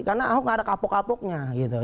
karena ahok nggak ada kapok kapoknya